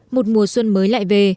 một mùa xuân mới lại về